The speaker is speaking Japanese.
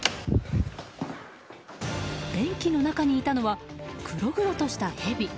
便器の中にいたのは黒々としたヘビ。